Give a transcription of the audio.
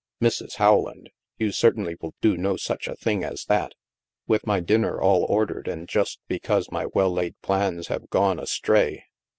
Mrs. Howland! You certainly will not do such a thing as that ! With my dinner all ordered, and just because my well laid plans have gone astray